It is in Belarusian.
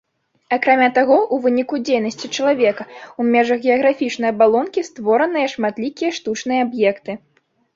Акрамя таго, у выніку дзейнасці чалавека ў межах геаграфічнай абалонкі створаныя шматлікія штучныя аб'екты.